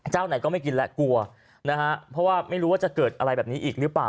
ไหนก็ไม่กินแล้วกลัวนะฮะเพราะว่าไม่รู้ว่าจะเกิดอะไรแบบนี้อีกหรือเปล่า